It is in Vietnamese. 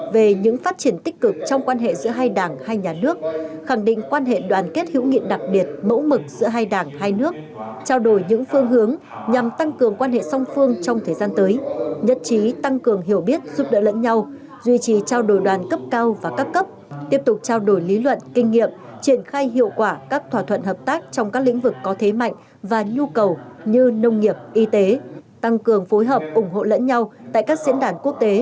về những phát triển tích cực trong quan hệ giữa hai đảng hai nhà nước khẳng định quan hệ đoàn kết hữu nghị đặc biệt mẫu mực giữa hai đảng hai nước trao đổi những phương hướng nhằm tăng cường quan hệ song phương trong thời gian tới nhất trí tăng cường hiểu biết giúp đỡ lẫn nhau duy trì trao đổi đoàn cấp cao và cấp cấp tiếp tục trao đổi lý luận kinh nghiệm triển khai hiệu quả các thỏa thuận hợp tác trong các lĩnh vực có thế mạnh và nhu cầu như nông nghiệp y tế tăng cường phối hợp ủng hộ lẫn nhau tại các diễn đàn